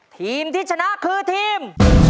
ทีมที่ชนะคือทีม